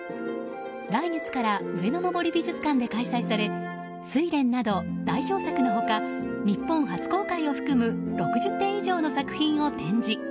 来月から上野の森美術館で開催され「睡蓮」など代表作の他日本初公開を含む６０点以上の作品を展示。